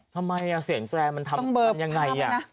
ทำไมเสียงแตรมันทำยังไง